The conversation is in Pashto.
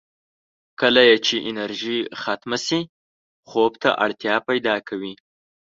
کله یې چې انرژي ختمه شي، خوب ته اړتیا پیدا کوي.